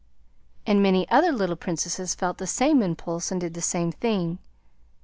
And many other little Princesses felt the same impulse and did the same thing.